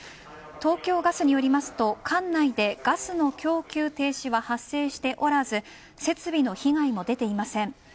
東京ガスによりますと管内でガスの供給停止は発生しておらず設備の被害も出ていません。